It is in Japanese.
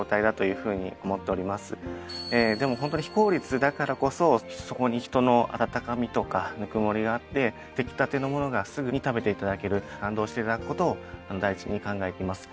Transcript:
でも非効率だからこそそこに人の温かみとかぬくもりがあって出来たてのものがすぐに食べていただける感動していただくことを第一に考えています。